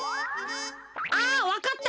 ああわかった！